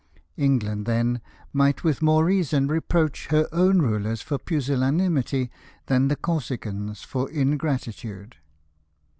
England, then, might mth more reason reproach her own rulers for pusillan imity than the Corsicans for ingratitude.